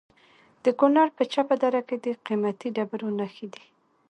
د کونړ په چپه دره کې د قیمتي ډبرو نښې دي.